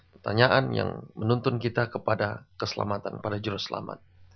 pertanyaan yang menuntun kita kepada keselamatan para jurus selamat